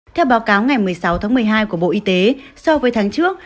theo báo cáo ngày một mươi sáu tháng một mươi hai của bộ y tế so với tháng trước